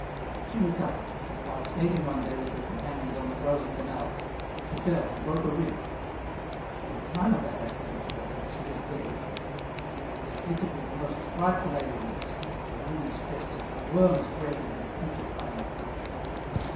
She recovered, but while skating one day with her companions on the frozen canals, she fell and broke a rib. From the time of that accident to her death she was bed ridden. She was afflicted with most frightful ailments, her wounds festered, and worms bred in her putrefying flesh.